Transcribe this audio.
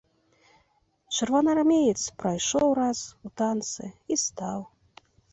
Чырвонаармеец прайшоў раз у танцы і стаў.